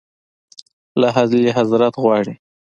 له اعلیحضرت غواړي.